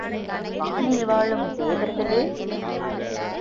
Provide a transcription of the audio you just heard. வானில் வாழும் தேவர்களே!